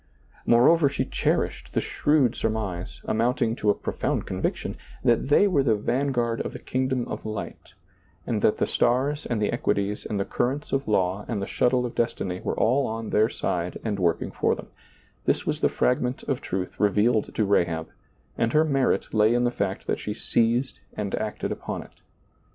Moreover, she cherished the shrewd surmise, amoundng to a profound convic ^lailizccbvGoOgle tion, that they were the vanguard of the kingdom of light, and that the stars and the equities and the currents of law and the shuttle of destiny were all on their side and working for them — this was the fragment of truth revealed to Rahab, and her merit lay in the fact that she seized and acted upon it.